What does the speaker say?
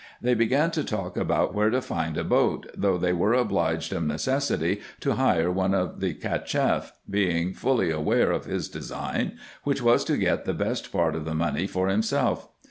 They began to talk about where to find a boat, though they were obliged of necessity to hire one of the Cacheff, being fully aware of his design, which was to get the best part of the money for himself.